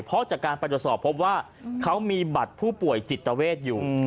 เพราะจากการไปตรวจสอบพบว่าเขามีบัตรผู้ป่วยจิตเวทอยู่